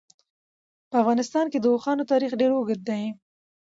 په افغانستان کې د اوښانو تاریخ ډېر اوږد دی.